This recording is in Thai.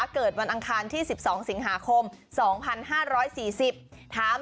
เกิดวันอังคารที่๑๒สิงหาคม๒๕๔๐ถาม